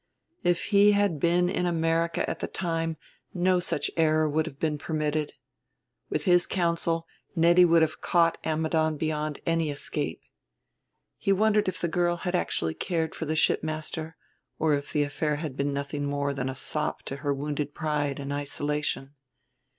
If he had been in America at the time no such error would have been permitted. With his counsel Nettie would have caught Ammidon beyond any escape. He wondered if the girl had actually cared for the shipmaster or if the affair had been nothing more than a sop to her wounded pride and isolation.